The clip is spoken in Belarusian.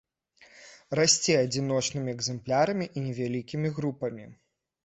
Расце адзіночнымі экзэмплярамі і невялікімі групамі.